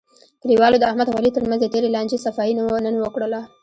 کلیوالو د احمد او علي ترمنځ د تېرې لانجې صفایی نن وکړله.